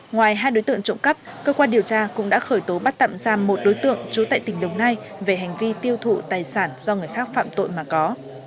ngoài hai đối tượng trộm cắp cơ quan điều tra cũng đã khởi tố bắt tạm giam một đối tượng trú tại tỉnh đồng nai về hành vi tiêu thụ tài sản do người khác phạm tội mà có